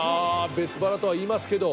別腹とはいいますけど。